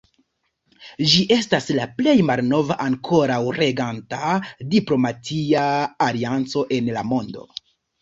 Ĝi estas la plej malnova ankoraŭ reganta diplomatia alianco en la mondo.